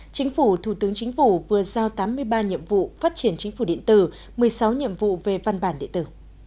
chính phủ thủ tướng chính phủ vừa giao tám mươi ba nhiệm vụ phát triển chính phủ điện tử một mươi sáu nhiệm vụ về văn bản điện tử